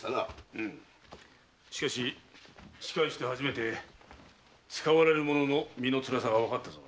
うむしかし仕官して初めて使われる身の辛さがわかったぞ。